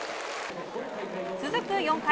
続く４回。